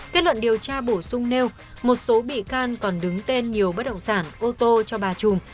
kết luận điều tra bổ sung nêu một số bị can còn đứng tên nhiều bất động sản ô tô cho bà trùm